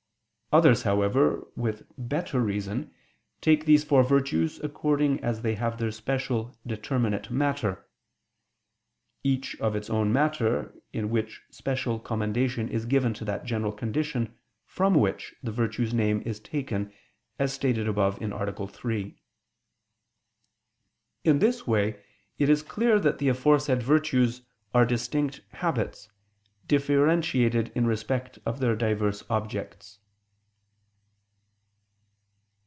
Others, however, with better reason, take these four virtues, according as they have their special determinate matter; each of its own matter, in which special commendation is given to that general condition from which the virtue's name is taken as stated above (A. 3). In this way it is clear that the aforesaid virtues are distinct habits, differentiated in respect of their diverse objects.